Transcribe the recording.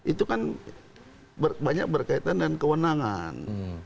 itu kan banyak berkaitan dengan kewenangan